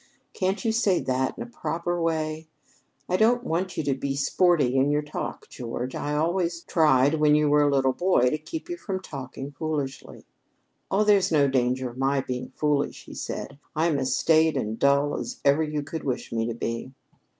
Can't you say that in a proper way? I don't want you to be sporty in your talk, George. I always tried when you were a little boy to keep you from talking foolishly." "Oh, there's no danger of my being foolish," he said. "I'm as staid and dull as ever you could wish me to be!"